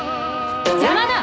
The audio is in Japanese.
邪魔だ！